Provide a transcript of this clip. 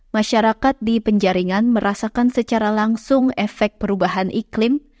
masyarakat di penjaringan merasakan secara langsung efek perubahan iklim